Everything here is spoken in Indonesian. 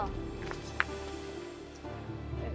sisi lu teman